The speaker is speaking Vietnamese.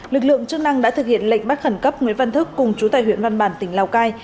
lực lượng chức năng đã thực hiện lệnh bắt khẩn cấp nguyễn văn thức cùng chú tài huyện văn bàn tỉnh lào cai